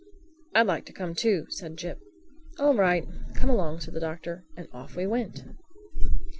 "I'd like to come too," said Jip. "All right, come along," said the Doctor, and off we went.